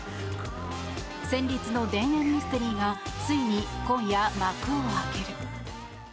戦慄の田園ミステリーがついに今夜、幕を開ける。